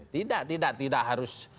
tidak tidak tidak harus